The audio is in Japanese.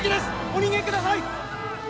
お逃げください！